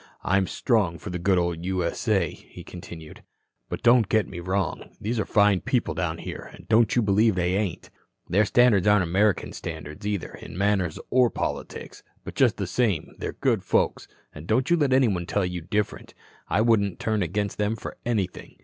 "I'm strong for the good old U.S.A.," he continued. "But don't get me wrong. These are fine people down here, and don't you believe they ain't. Their standards aren't American standards either in manners or politics. But, just the same, they're good folks, and don't you let anybody tell you different. I wouldn't turn against them for anything.